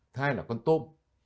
thứ hai là con tôm